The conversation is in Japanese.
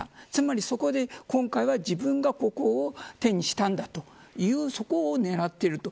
そこで今回は、自分がここを手にしたんだというそこを狙っていると。